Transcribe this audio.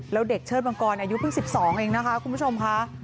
แล้วเด็กเชิดมังกรอายุเพิ่ง๑๒เองนะคะคุณผู้ชมค่ะ